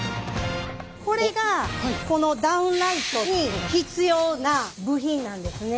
これがこのダウンライトに必要な部品なんですね。